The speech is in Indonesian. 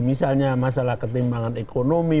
misalnya masalah ketimbangan ekonomi